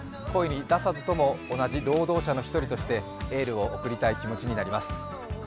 声に出さずとも同じ労働者の１人としてエールを送りたい気持ちになります。